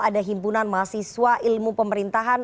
ada himpunan mahasiswa ilmu pemerintahan